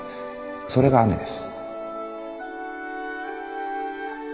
それが雨です。